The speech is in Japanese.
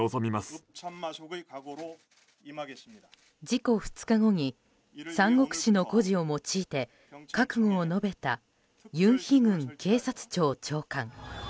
事故２日後に「三国志」の故事を用いて覚悟を述べたユン・ヒグン警察庁長官。